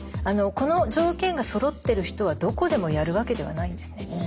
この条件がそろってる人はどこでもやるわけではないんですね。